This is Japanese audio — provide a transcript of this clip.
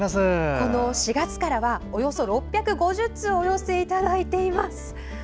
この４月からはおよそ６５０通お寄せいただいています。